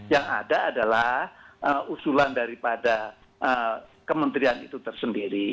yang ada adalah usulan daripada kementerian itu tersendiri